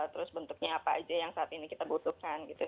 terus bentuknya apa aja yang saat ini kita butuhkan gitu